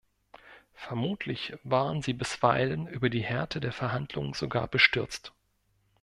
Vermutlich waren sie bisweilen über die Härte der Verhandlungen sogar bestürzt.